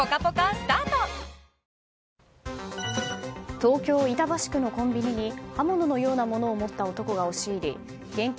東京・板橋区のコンビニに刃物のようなものを持った男が押し入り現金